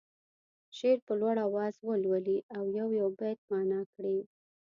شعر په لوړ اواز ولولي او یو یو بیت معنا کړي.